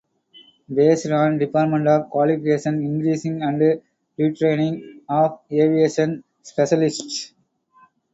Based on Department of Qualification Increasing and Retraining of aviation specialists.